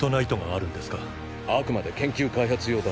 あくまで研究開発用だ。